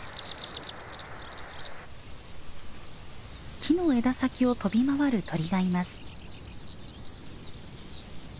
木の枝先を飛び回る鳥がいます。